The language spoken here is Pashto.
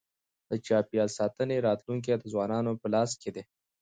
د چاپېریال ساتنې راتلونکی د ځوانانو په لاس کي دی.